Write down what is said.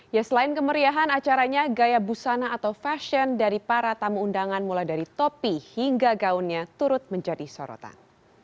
ya selain kemeriahan acaranya gaya busana atau fashion dari para tamu undangan mulai dari topi hingga gaunnya turut menjadi sorotan